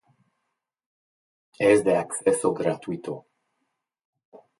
Es de acceso gratuito.